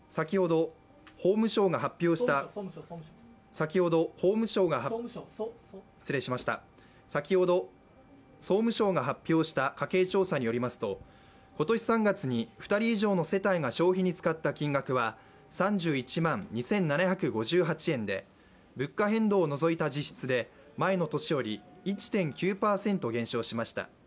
先ほど、総務省が発表した家計調査によりますと今年３月に２人以上の世帯が消費に使った金額は３１万２７５８円で物価変動を除いた実質で前の年より１．９％減少しました。